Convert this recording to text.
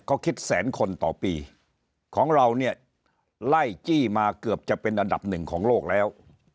เขาคิดแสนคนต่อปีของเราเนี่ยไล่จี้มาเกือบจะเป็นอันดับหนึ่งของโลกแล้ว